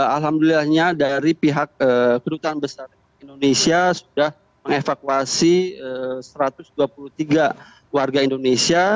alhamdulillahnya dari pihak kedutaan besar indonesia sudah mengevakuasi satu ratus dua puluh tiga warga indonesia